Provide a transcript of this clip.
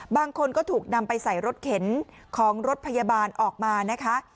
บางคนก็ถูกนำไปใส่รถเข็นของรถพยาบาลออกมานะคะ